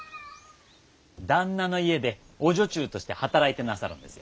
旦那の家でお女中として働いてなさるんですよ。